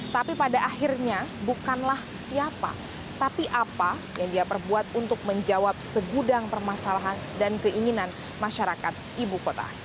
tapi pada akhirnya bukanlah siapa tapi apa yang dia perbuat untuk menjawab segudang permasalahan dan keinginan masyarakat ibu kota